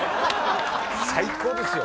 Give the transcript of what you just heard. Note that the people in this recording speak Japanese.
最高ですよ